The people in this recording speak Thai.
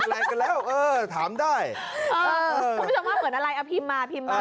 อะไรกันแล้วเออถามได้เออคุณผู้ชมว่าเหมือนอะไรเอาพิมพ์มาพิมพ์มา